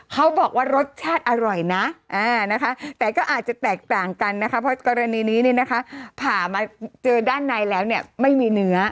เขาบอกว่ารสชาติอร่อยนะนะคะแต่ก็อาจจะแตกต่างกันนะคะเพราะกรณีนี้เนี่ยนะคะผ่ามาเจอด้านในแล้วเนี่ยไม่มีเนื้อ